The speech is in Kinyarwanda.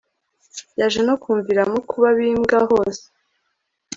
byaje nokumviramo kuba bimbwa hose